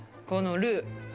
このルー。